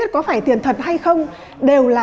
có phải tiền thật hay không đều là